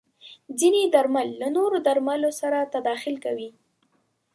ځینې درمل له نورو درملو سره تداخل کوي.